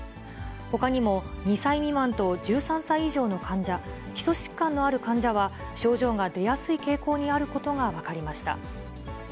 ほかにも、２歳未満と１３歳以上の患者、基礎疾患のある患者は、症状が出やすい傾向にあることが分かりました。